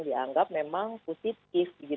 dianggap memang positif